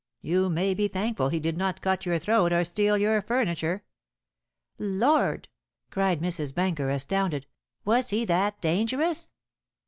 You may be thankful he did not cut your throat or steal your furniture." "Lord!" cried Mrs. Benker, astounded, "was he that dangerous?"